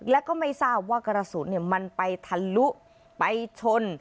แล้วก็ไม่ทราบว่ากระสุนมันไปทะลุไปชน